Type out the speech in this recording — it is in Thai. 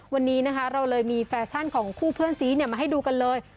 วันนี้นะคะเราเลยมีแฟชั่นของคู่เพื่อนซีมาให้ดูกันเลย